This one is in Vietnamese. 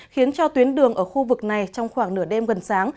khiến cho tuyến đường ở khu vực này trong khoảng nửa đêm gần sáng